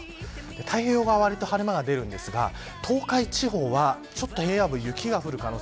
太平洋側はわりと晴れ間が出るんですが東海地方はちょっと平野部、雪が降る可能性